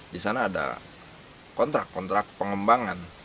disana ada kontrak kontrak pengembangan